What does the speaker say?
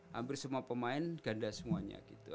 hampir semua pemain ganda semuanya gitu